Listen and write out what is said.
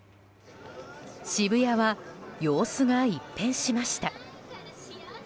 渋谷は、様子が一変しました。